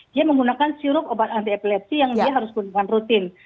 dia menggunakan sirup obat anti epilepsi yang dia harus gunturkan rutin